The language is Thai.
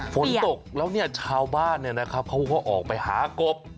ฝนตกแล้วเนี่ยชาวบ้านครับพวกเค้าออกไปหากบ